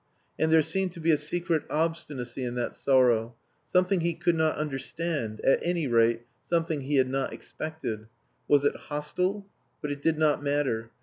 And there seemed to be a secret obstinacy in that sorrow, something he could not understand; at any rate, something he had not expected. Was it hostile? But it did not matter.